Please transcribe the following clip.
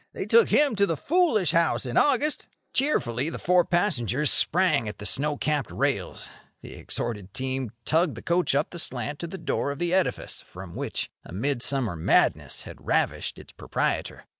They took him to the foolish house in August." Cheerfully the four passengers sprang at the snow capped rails. The exhorted team tugged the coach up the slant to the door of the edifice from which a mid summer madness had ravished its proprietor.